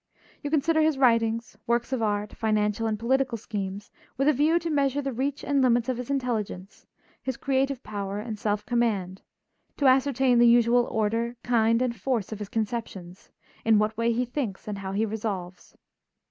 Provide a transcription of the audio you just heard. You consider his writings, works of art, financial and political schemes, with a view to measure the reach and limits of his intelligence, his creative power and self command, to ascertain the usual order, kind, and force of his conceptions, in what way he thinks and how he resolves.